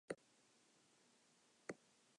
It consisted of Essex County.